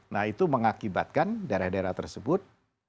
nah itu mengakibatkan daerah daerah tersebut